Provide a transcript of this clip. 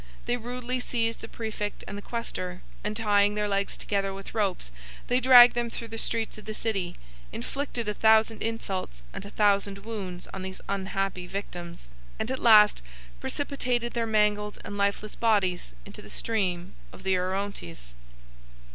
They rudely seized the præfect and the quæstor, and tying their legs together with ropes, they dragged them through the streets of the city, inflicted a thousand insults and a thousand wounds on these unhappy victims, and at last precipitated their mangled and lifeless bodies into the stream of the Orontes.